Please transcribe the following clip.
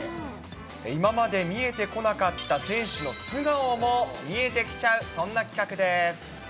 今まで見えてこなかった選手の素顔も見えてきちゃう、そんな企画です。